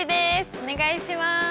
お願いします。